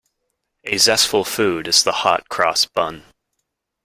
A zestful food is the hot-cross bun.